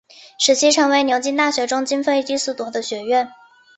使其成为牛津大学中经费第四多的学院。